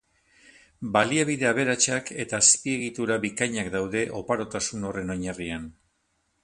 Baliabide aberatsak eta azpiegitura bikainak daude oparotasun horren oinarrian.